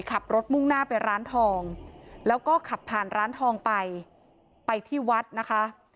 ขับรถมุ่งหน้าไปร้านทองแล้วก็ขับผ่านร้านทองไปไปที่วัดนะคะ